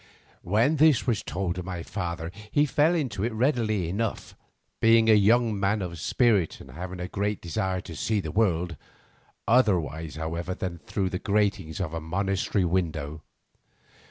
When this was told to my father he fell into it readily enough, being a young man of spirit and having a great desire to see the world, otherwise, however, than through the gratings of a monastery window.